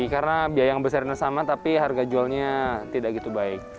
karena biaya yang besarnya sama tapi harga jualnya tidak begitu baik